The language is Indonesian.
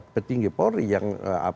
petinggi polri yang